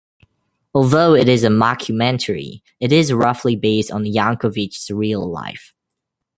Although it is a mockumentary, it is roughly based on Yankovic's real life.